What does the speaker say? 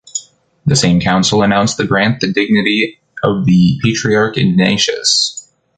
The same council announced the grant the dignity of the Patriarch Ignatius.